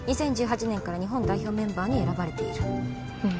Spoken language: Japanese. ２０１８年から日本代表メンバーに選ばれているうん